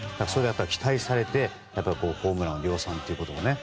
期待されてホームラン量産ということがね。